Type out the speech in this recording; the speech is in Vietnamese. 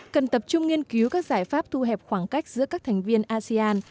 cần tập trung nghiên cứu các giải pháp thu hẹp khoảng cách giữa các thành viên asean